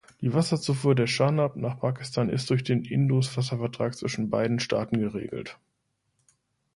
Die Wasserzufuhr des Chanab nach Pakistan ist durch den Indus-Wasservertrag zwischen beiden Staaten geregelt.